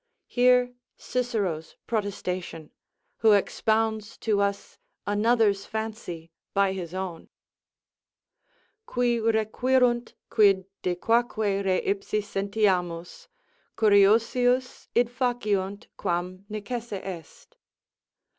Hear Cicero's protestation, who expounds to us another's fancy by his own: _Qui requirunt quid de quâque re ipsi sentiamus, curiosius id faciunt quam necesse est